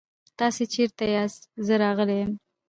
تاسې چيرته ياست؟ زه راغلی يم.